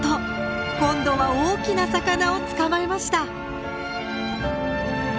今度は大きな魚を捕まえました。